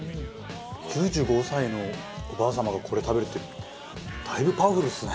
９５歳のおばあ様がこれ食べるってだいぶパワフルっすね。